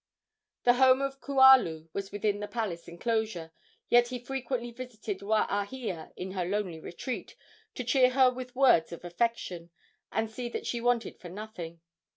The home of Kualu was within the palace enclosure; yet he frequently visited Waahia in her lonely retreat, to cheer her with words of affection and see that she wanted for nothing.